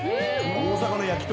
大阪の焼き鳥